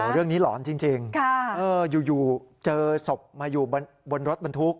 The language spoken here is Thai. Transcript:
หลอนจริงอยู่เจอศพมาอยู่บนรถบรรทุก